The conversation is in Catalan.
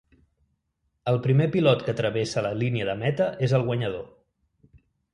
El primer pilot que travessa la línia de meta és el guanyador.